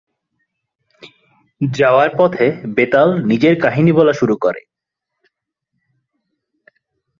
যাওয়ার পথে বেতাল নিজের কাহিনী বলা শুরু করে।